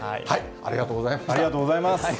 ありがとうございます。